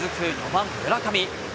４番・村上。